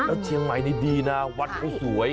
แล้วเชียงใหม่นี่ดีนะวัดเขาสวย